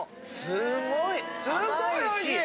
すごいおいしい！